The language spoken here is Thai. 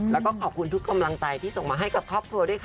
แล้วก็ขอบคุณทุกกำลังใจที่ส่งมาให้กับครอบครัวด้วยค่ะ